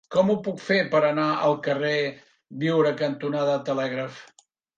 Com ho puc fer per anar al carrer Biure cantonada Telègraf?